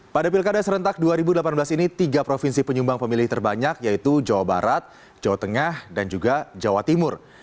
pada pilkada serentak dua ribu delapan belas ini tiga provinsi penyumbang pemilih terbanyak yaitu jawa barat jawa tengah dan juga jawa timur